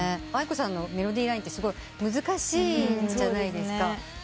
ａｉｋｏさんのメロディーラインってすごい難しいじゃないですか。